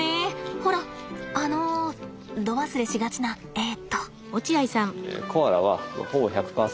ほらあの度忘れしがちなえと。